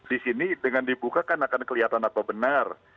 di sini dengan dibuka kan akan kelihatan apa benar